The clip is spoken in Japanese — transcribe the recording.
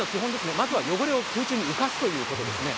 まずは汚れを空中に浮かすということですね。